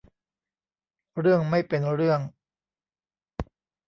เรื่องไม่เป็นเรื่อง